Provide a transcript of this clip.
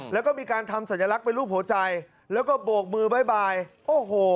แล้วก็มีการทำสัญลักษณ์เป็นรูปหัวใจแล้วก็โบกมือบ๊ายบายโอ้โห